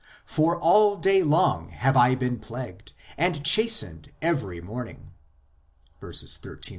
For all day long have I been plagued, And chastened every morning (verses 13, 14).